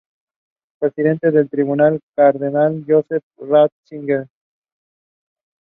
Presidente del tribunal: Cardenal Joseph Ratzinger.